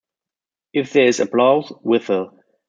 If there is applause, whistle.